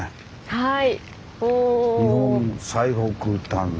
はい。